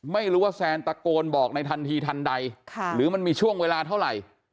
ไม่รู้ว่าแซนตะโกนบอกในทันทีทันใดหรือมันมีช่วงเวลาเท่าไหร่